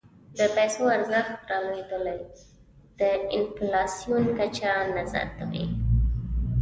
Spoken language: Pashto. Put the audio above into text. د پیسو ارزښت رالوېدل د انفلاسیون کچه نه زیاتوي.